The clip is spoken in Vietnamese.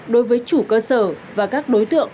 đối với chủ cơ sở và các đối tượng